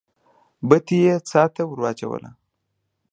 بتۍ يې څا ته ور واچوله.